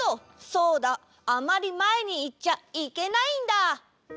そうだあまりまえにいっちゃいけないんだ。